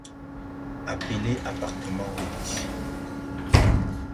Appeler appartement huit